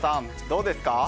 どうですか？